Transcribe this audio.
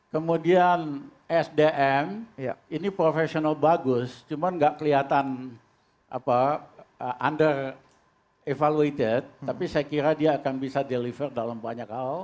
kemudian sdm ini profesional bagus cuman nggak kelihatan under evaluated tapi saya kira dia akan bisa deliver dalam banyak hal